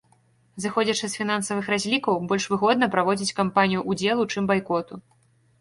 Зыходзячы з фінансавых разлікаў, больш выгодна праводзіць кампанію ўдзелу, чым байкоту.